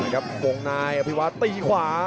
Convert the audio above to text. วงนายอภิวัตตีขวา